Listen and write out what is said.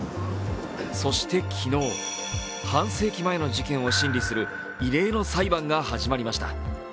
そして、昨日半世紀前の事件を審理する異例の裁判が始まりました。